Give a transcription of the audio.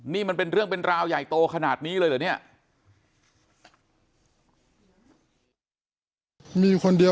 นี่มันเป็นเรื่องเป็นราวใหญ่โตขนาดนี้เลยเหรอเนี่ย